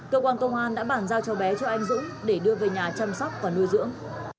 cơ quan công an đã bản giao cho bé cho anh dũng để đưa về nhà chăm sóc và nuôi dưỡng